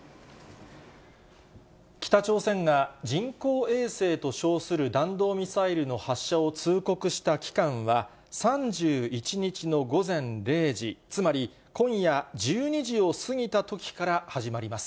北朝鮮が人工衛星と称する弾道ミサイルの発射を通告した期間は、３１日の午前０時、つまり今夜１２時を過ぎたときから始まります。